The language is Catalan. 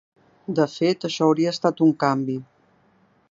De fet, això hauria estat un canvi.